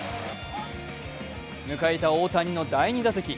迎えた大谷の第２打席。